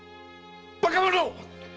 バカ者っ‼